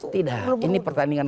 tidak ini pertandingan